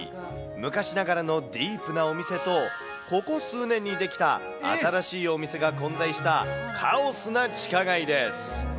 昔ながらのディープなお店と、ここ数年に出来た新しいお店が混在した、カオスな地下街です。